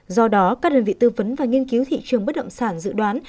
do đó các đơn vị tư vấn và nghiên cứu thị trường bất động sản dự đoán